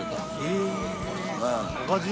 へえ。